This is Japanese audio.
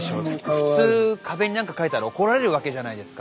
普通壁に何か描いたら怒られるわけじゃないですか。